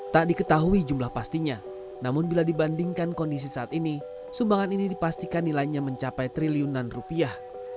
tak diketahui jumlah pastinya namun bila dibandingkan kondisi saat ini sumbangan ini dipastikan nilainya mencapai triliunan rupiah